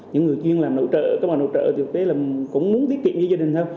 những người chuyên làm nội trợ các bà nội trợ cũng muốn tiết kiệm cho gia đình hơn